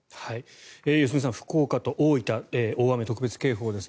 良純さん、福岡と大分大雨特別警報です。